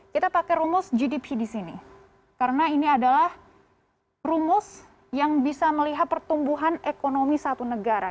kita pakai rumus gdp di sini karena ini adalah rumus yang bisa melihat pertumbuhan ekonomi satu negara